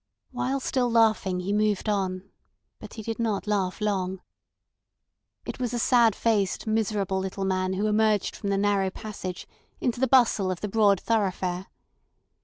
While still laughing he moved on; but he did not laugh long. It was a sad faced, miserable little man who emerged from the narrow passage into the bustle of the broad thoroughfare.